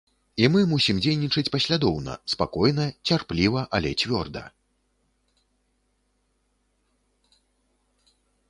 І мы мусім дзейнічаць паслядоўна, спакойна, цярпліва, але цвёрда.